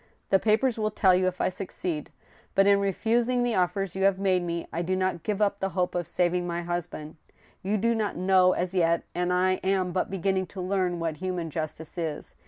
The papers will tell you if I succeed. But, in refusing the offers you have made me, I do not give up the hope of saving my husband. You do not know as yet, and I am but beginning to learn, what human justice is.